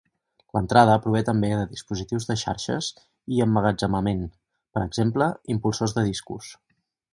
L'entrada prové també de dispositius de xarxes i emmagatzemament, per exemple, impulsors de discos.